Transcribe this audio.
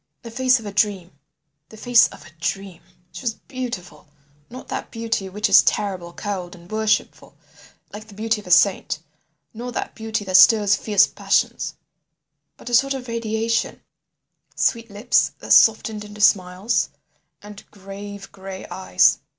"The face of a dream—the face of a dream. She was beautiful. Not that beauty which is terrible, cold, and worshipful, like the beauty of a saint; nor that beauty that stirs fierce passions; but a sort of radiation, sweet lips that softened into smiles, and grave gray eyes.